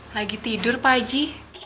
lagi tidur pak eji